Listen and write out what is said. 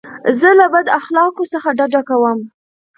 زه له بد اخلاقو څخه ډډه کوم.